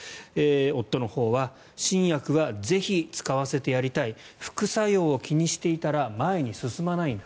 夫のほうは新薬はぜひ使わせてやりたい副作用を気にしていたら前に進まないんだ